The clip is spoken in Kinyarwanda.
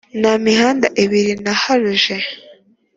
Nta mihanda ibiri naharuje!